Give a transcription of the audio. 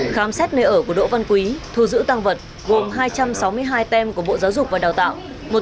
khám xét nơi ở của đỗ văn quý thu giữ tăng vật gồm hai trăm sáu mươi hai tem của bộ giáo dục và đào tạo